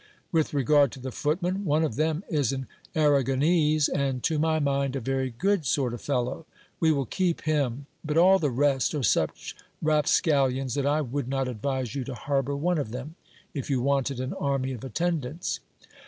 With regard to the footmen, one of them is an Arragonese, and to my mind a very good sort of fellow. We will keep him ; but all the rest are such rapscallions, that I would not advise you to harbour one of them, if you wanted an army of attendants.